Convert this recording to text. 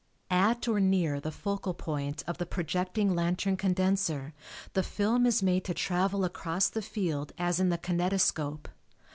At or near the focal point of the projecting lantern condenser the film is made to travel across the field as in the kinetoscope.